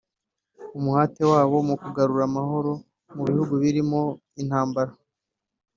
umuhate wabyo mu kugarura amahoro mu bihugu birimo intambara